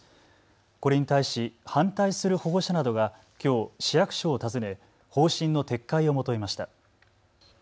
これに対し反対する保護者などがきょう市役所を訪ね方針の撤回を求めました。